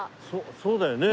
そうだよね。